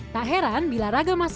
tak heran bila ragam masak